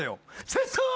チェスト！